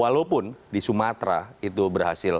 walaupun di sumatera itu berhasil